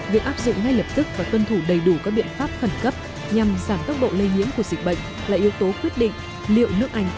việc áp dụng ngay lập tức và tuân thủ đầy đủ các biện pháp khẩn cấp nhằm giảm tốc độ lây nhiễm của dịch bệnh là yếu tố quyết định